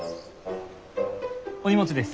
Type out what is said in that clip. お荷物です。